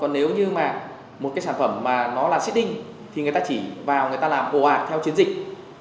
còn nếu như mà một cái sản phẩm mà nó là sitting thì người ta chỉ vào người ta làm hồ ạc theo chiến dịch